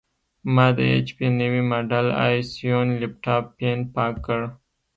ما د ایچ پي نوي ماډل ائ سیون لېپټاپ فین پاک کړ.